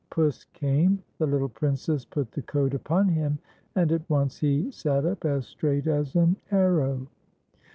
Puss came, the little Princess put the coat upon him, and at once he sat up as straight as an arrow.